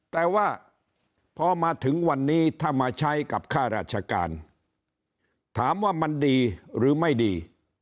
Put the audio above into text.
แต่ว่าพอมาถึงวันนี้ถ้ามาใช้กับค่าราชการถามว่ามันดีหรือไม่ดี